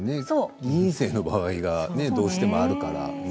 偽陰性の場合がどうしてもあるからね。